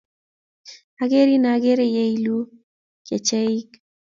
Akerin akere yeiluu kecheik.